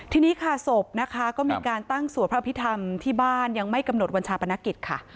ทีนี้ค่ะศพนะคะก็มีการตั้งสวดพระอภิษฐรรมที่บ้านยังไม่กำหนดวันชาปนกิจค่ะ